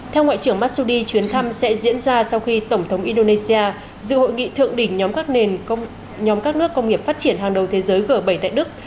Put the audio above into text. theo ngoại trưởng masudi chuyến thăm sẽ diễn ra sau khi tổng thống indonesia dự hội nghị thượng đỉnh nhóm các nhóm các nước công nghiệp phát triển hàng đầu thế giới g bảy tại đức